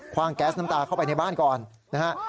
ว่างแก๊สน้ำตาเข้าไปในบ้านก่อนนะฮะ